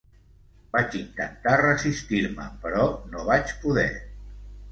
Vaig intentar resistir-me però no vaig poder.